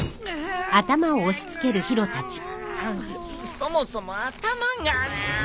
そもそも頭が。んっ！？